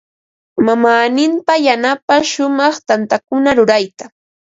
Mamaaninta yanapan shumaq tantakuna rurayta.